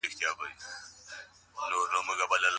پر دغي څوکۍ باندې مي خپله زړه خولۍ ایښې وه.